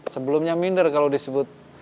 sebelumnya minder kalau disebut